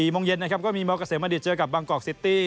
๔มงเย็นก็มีมกาเสมอดิชเจอกับบางกอกซิตี้